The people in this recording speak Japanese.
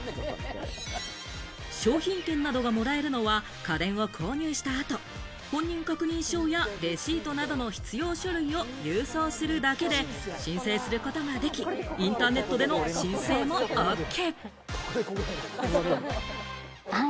商品券などがもらえるのは家電を購入した後、本人確認証やレシートなどの必要書類を郵送するだけで、申請することができ、インターネットでの申請もＯＫ。